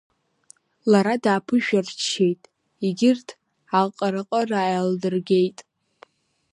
Лара дааԥышәырччеит, егьырҭ аҟырҟыр ааилдыргеит.